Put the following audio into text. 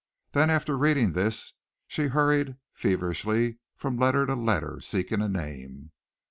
Then after reading this she hurried feverishly from letter to letter, seeking a name.